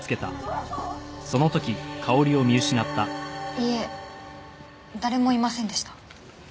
いいえ誰もいませんでした。